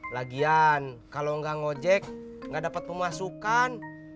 lagian kalau nggak ngojek nggak dapat pemasukan